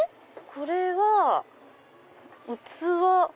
これは器。